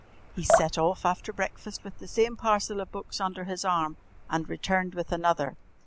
He set off after breakfast with the same parcel of books under his arm and returned with another.